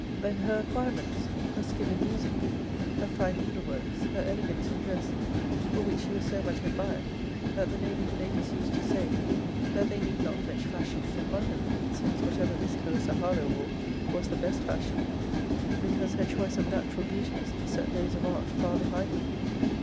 Then her acquirements. Her skill in music, her fine needle works, her elegance in dress; for which she was so much admired, that the neighbouring ladies used to say, that they need not fetch fashions from London; since whatever Miss Clarissa Harlowe wore was the best fashion, because her choice of natural beauties set those of art far behind them.